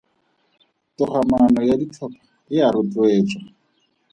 Togamaano ya ditlhopha e a rotloetswa.